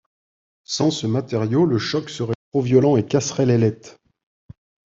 Sans ce matériau, le choc serait trop violent et casserait l’ailette.